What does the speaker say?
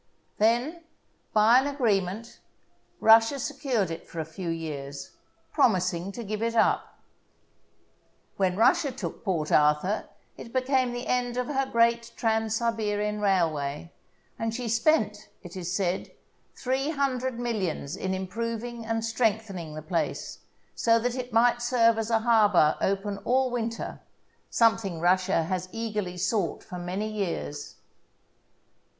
Then, by an agreement, Russia secured it for a few years, promising to give it up. THE BOOK OF FAMOUS SIEGES When Russia took Port Arthur, it became the end of her great Trans Siberian Railway, and she spent, it is said, three hundred millions in improv ing and strengthening the place, so that it might serve as a harbour open all winter — something Russia has eagerly sought for many years.